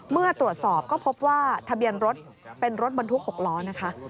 เมื่อตรวจสอบก็พบว่าทะเบียนรถเป็นรถบรรทุก๖ล้อนะคะ